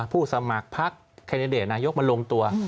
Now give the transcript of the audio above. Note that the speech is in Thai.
สมัครพักแคนดิเดตนายกมันลงตัว